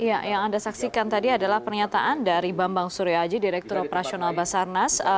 kisah yang dikisahkan tadi adalah pernyataan dari bambang surya aji direktur operasional basarnas